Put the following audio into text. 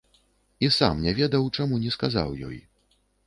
І сам не ведаў, чаму не сказаў ёй.